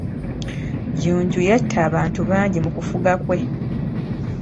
Jjunju yatta abantu bangi mu kufuga kwe.